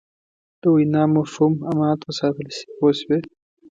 د وینا مفهوم امانت وساتل شي پوه شوې!.